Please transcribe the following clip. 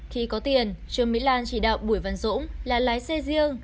khi có tiền trương mỹ lan chỉ đạo bùi văn dũng là lái xe riêng